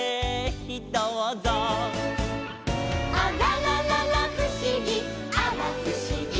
「あららららふしぎあらふしぎ」